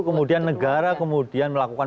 kemudian negara kemudian melakukan